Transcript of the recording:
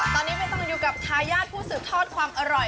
ตอนนี้ไม่ต้องอยู่กับทายาทผู้สืบทอดความอร่อย